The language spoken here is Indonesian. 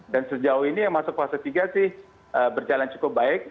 dan sejauh ini yang masuk fase tiga sih berjalan cukup baik